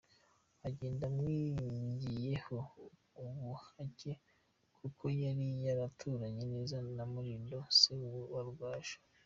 Agenda amwiringiyeho ubuhake kuko yari yaraturanye neza na Mutimbo se w’uwo Rugaju.